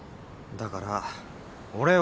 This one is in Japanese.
だから俺は。